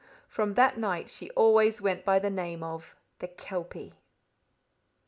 From that night she always went by the name of the Kelpie.